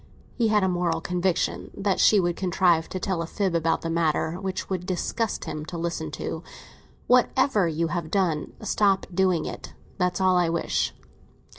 He had a moral conviction that she would contrive to tell a fib about the matter, which it would disgust him to listen to. "Whatever you have done, stop doing it. That's all I wish."